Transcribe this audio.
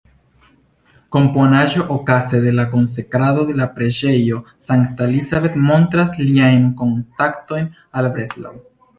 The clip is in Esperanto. Komponaĵo okaze de la konsekrado de la preĝejo St.-Elisabeth montras liajn kontaktojn al Breslau.